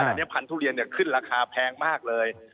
อันนี้พันธุเรียนขึ้นราคาแพงมากเลย